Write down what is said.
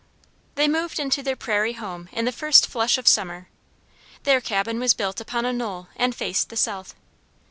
They moved into their prairie home in the first flush of summer. Their cabin was built upon a knoll and faced the south.